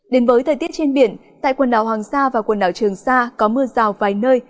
đến với thời tiết trên biển tại quần đảo hoàng sa và quần đảo trường sa có mưa rào vài nơi